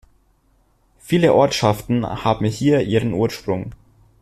Viele Ortschaften haben hier ihren Ursprung.